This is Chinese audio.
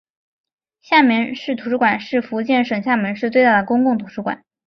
厦门市图书馆是福建省厦门市最大的公共图书馆。